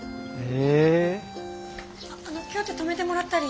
あの今日って泊めてもらったり。